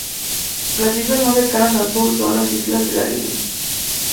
Las islas más cercanas al sur son las islas de la Línea.